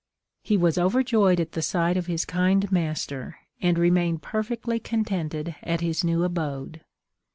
He was overjoyed at the sight of his kind master, and remained perfectly contented at his new abode.